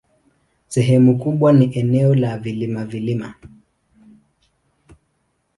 Sehemu kubwa ni eneo la vilima-vilima.